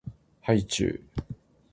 はいちゅう